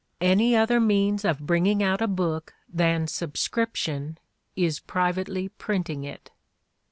... Any other means of bringing out a book [than sub scription] is privately printing it."